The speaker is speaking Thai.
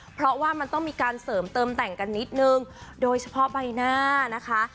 เพราะว่ามันต้องมีการเสริมเติมแต่งกันนิดนึงโดยเฉพาะใบหน้านะคะ